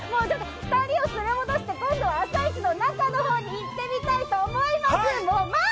２人を連れ戻して今度は、朝市の中の方に行ってみたいと思います。